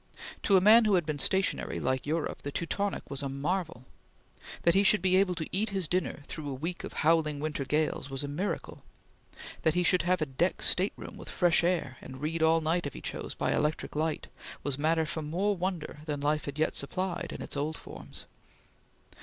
To a man who had been stationary like Europe, the Teutonic was a marvel. That he should be able to eat his dinner through a week of howling winter gales was a miracle. That he should have a deck stateroom, with fresh air, and read all night, if he chose, by electric light, was matter for more wonder than life had yet supplied, in its old forms.